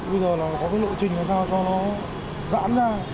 bây giờ là có cái lộ trình làm sao cho nó dãn ra